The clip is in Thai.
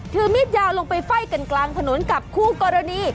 มีดยาวลงไปไฟ่กันกลางถนนกับคู่กรณี